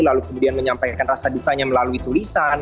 lalu kemudian menyampaikan rasa dukanya melalui tulisan